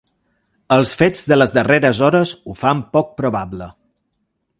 Els fets de les darreres hores ho fan poc probable.